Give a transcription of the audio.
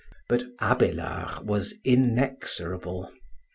But Abélard was inexorable.